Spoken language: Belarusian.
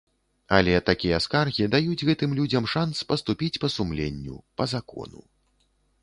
Але такія скаргі даюць гэтым людзям шанс паступіць па сумленню, па закону.